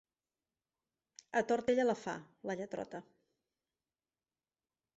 A tort ella la fa, la lletrota.